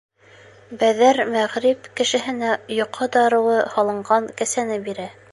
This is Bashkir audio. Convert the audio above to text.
Бәҙәр мәғриб кешеһенә йоҡо дарыуы һалынған кәсәне бирә.